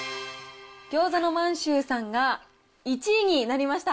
ぎょうざの満洲さんが１位になりました。